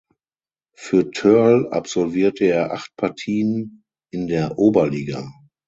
Für Thörl absolvierte er acht Partien in der "Oberliga".